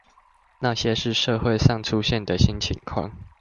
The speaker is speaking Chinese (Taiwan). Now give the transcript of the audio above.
那些是社會上出現的新情況？